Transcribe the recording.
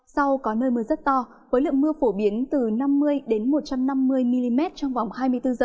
sau có nơi mưa rất to với lượng mưa phổ biến từ năm mươi một trăm năm mươi mm trong vòng hai mươi bốn h